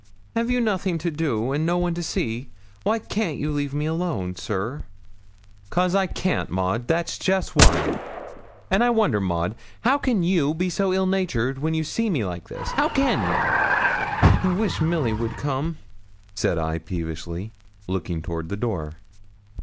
Have you nothing to do, and no one to see? Why can't you leave me alone, sir?' ''Cos I can't, Maud, that's jest why; and I wonder, Maud, how can you be so ill natured, when you see me like this; how can ye?' 'I wish Milly would come,' said I peevishly, looking toward the door.